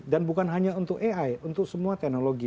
dan bukan hanya untuk ai untuk semua teknologi